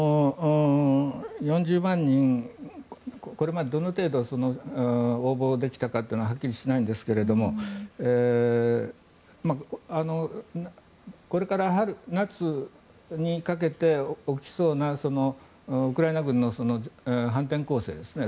４０万人これまでどの程度応募で来たかというのははっきりしないんですがこれから、夏にかけて起きそうなウクライナ軍の反転攻勢ですね。